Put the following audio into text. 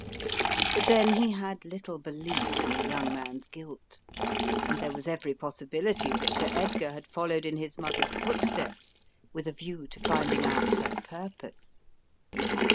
But then he had little belief in the young man's guilt, and there was every possibility that Sir Edgar had followed in his mother's footsteps with a view to finding out her purpose.